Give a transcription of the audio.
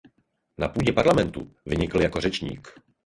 Na půdě parlamentu vynikl jako řečník.